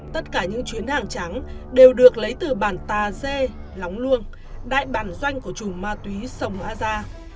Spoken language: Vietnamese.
tất cả những chuyến hàng trắng đều được lấy từ bản tà dê lóng luông đại bản doanh của chủ ma túy sông a gia